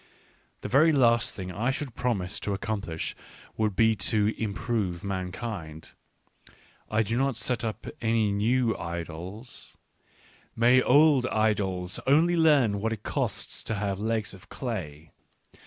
./The very last thing I should promise to accom Iplish would be to " improve " mankind. I do not set up any new idols ; may old idols only learn what it costs to have legs of clay.